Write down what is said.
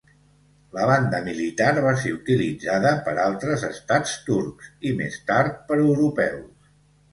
La banda militar va ser utilitzada per altres estats turcs i més tard per europeus.